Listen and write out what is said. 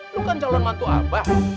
lu kan calon mantu abah